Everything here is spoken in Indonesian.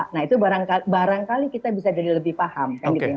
nah itu barangkali kita bisa jadi lebih paham